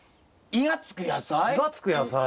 「イ」がつく野菜。